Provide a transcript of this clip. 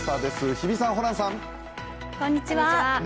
日比さん、ホランさん。